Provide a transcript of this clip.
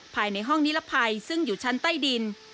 ภายในห้องนิรภัยซึ่งอยู่ชั้นใต้ดิน